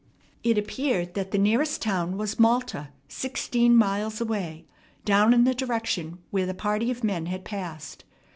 It appeared that the nearest town was Malta, sixteen miles away, down in the direction where the party of men had passed.